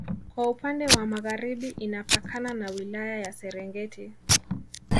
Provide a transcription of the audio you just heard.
Kwa upande wa Magharibi inapakana na wilaya ya serengeti